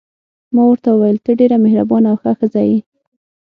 ما ورته وویل: ته ډېره مهربانه او ښه ښځه یې.